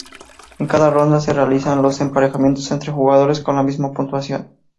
En cada ronda se realizan los emparejamientos entre jugadores con la misma puntuación.